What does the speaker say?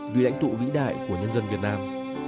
vì lãnh tụ vĩ đại của nhân dân việt nam